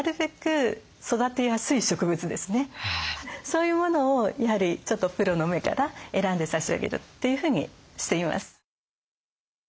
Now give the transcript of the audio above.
そういうものをやはりプロの目から選んで差し上げるっていうふうにしています。